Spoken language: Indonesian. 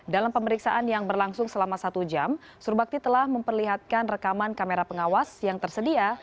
dalam pemeriksaan yang berlangsung selama satu jam surbakti telah memperlihatkan rekaman kamera pengawas yang tersedia